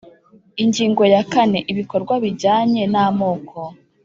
Ingingo ya kane Ibikorwa bijyanye n amoko